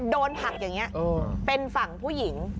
โดนผักอย่างนี้เป็นฝั่งผู้หญิง